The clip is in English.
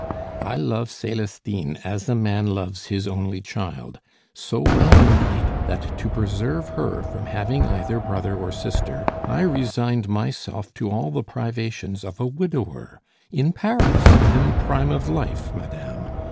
I love Celestine as a man loves his only child so well indeed, that, to preserve her from having either brother or sister, I resigned myself to all the privations of a widower in Paris, and in the prime of life, madame.